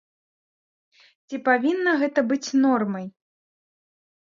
Ці павінна гэта быць нормай?